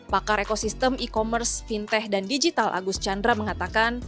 pakar ekosistem e commerce fintech dan digital agus chandra mengatakan